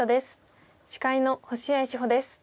司会の星合志保です。